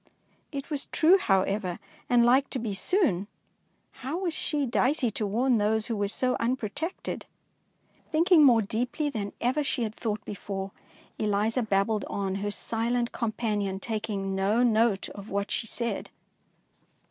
It was true, however, and like to be soon. How was she. Dicey, to warn those who were so unprotected? Thinking more deeply than ever she had thought before, Eliza babbled on, her silent companion taking no note of what she said.